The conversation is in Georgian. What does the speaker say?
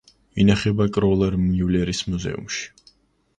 ინახება კროლერ-მიულერის მუზეუმში.